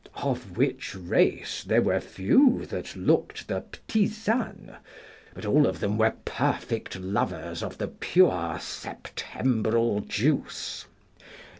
Of which race there were few that looked the ptisane, but all of them were perfect lovers of the pure Septembral juice.